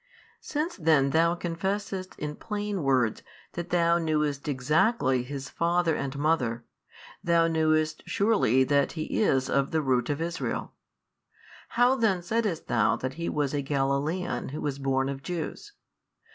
Since then thou confessedst in plain words that thou knewest exactly His father and mother, thou knewest surely that He is of the root of Israel: how then saidst thou that He was a Galilaean Who was born of Jews?